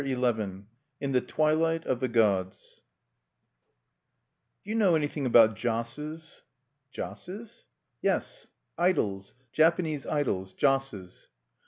XI IN THE TWILIGHT OF THE GODS "Do you know anything about josses?" "Josses?" "Yes; idols, Japanese idols, josses."